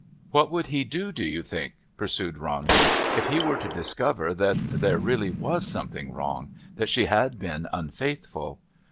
"What would he do, do you think," pursued Ronder, "if he were to discover that there really was something wrong, that she had been unfaithful?"